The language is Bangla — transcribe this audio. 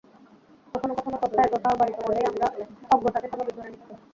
কখনো কখনো তথ্য এতটা অবারিত বলেই আমরা অজ্ঞতাকে স্বাভাবিক ধরে নিচ্ছি।